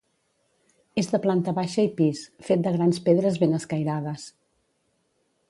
És de planta baixa i pis, fet de grans pedres ben escairades.